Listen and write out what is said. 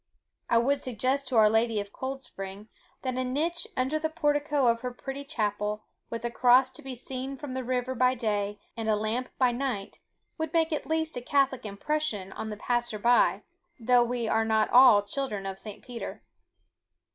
I would suggest to Our Lady of Cold Spring, that a niche under the portico of her pretty chapel, with a cross to be seen from the river by day, and a lamp by night, would make at least a catholic impression on the passer by, though we are not all children of St. Peter.